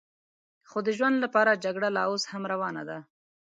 خو د ژوند لپاره جګړه لا اوس هم روانه ده.